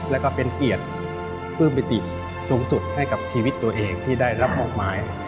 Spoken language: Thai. และก็เป็นเหตุจำนวนสูงสุดให้กับชีวิตตัวเองที่ได้รับมอบหมาย